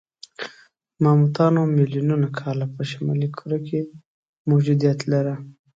ماموتانو میلیونونه کاله په شمالي کره کې موجودیت لاره.